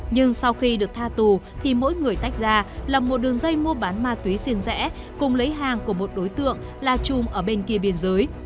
nhưng sau khi được tha tù thì mỗi người tách ra là một đường dây mua bán ma túy riêng rẽ cùng lấy hàng của một đối tượng la chung ở bên kia biên giới